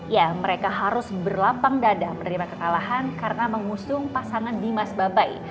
ya mereka harus berlapang dada menerima kekalahan karena mengusung pasangan dimas babai